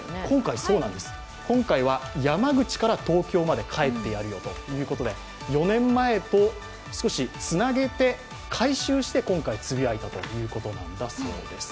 今回は山口から東京に帰ってやるよということで４年前と、少しつなげて、回収して今回、つぶやいたということなんです。